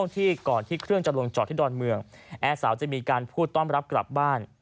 ตรงจอดที่ดอนเมืองแอร์สาวจะมีการพูดต้อนรับกลับบ้าน